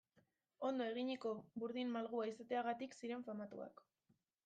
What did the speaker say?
Ondo eginiko burdin malgua izateagatik ziren famatuak.